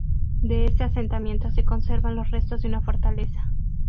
De este asentamiento se conservan los restos de una fortaleza.